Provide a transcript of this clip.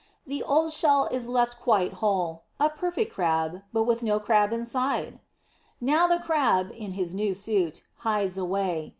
The old shell is left quite whole a perfect Crab, but with no Crab inside it! Now the Crab, in his new suit, hides away.